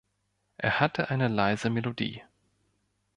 Er hatte eine leise Melodie.